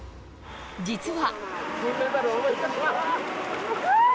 実は。